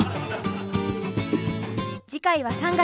次回は３月。